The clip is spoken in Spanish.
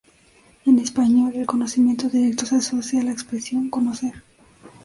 En español, el conocimiento directo se asocia a la expresión "conocer".